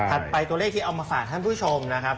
ไปตัวเลขที่เอามาฝากท่านผู้ชมนะครับ